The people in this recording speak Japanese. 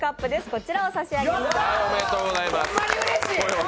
こちらを差し上げます。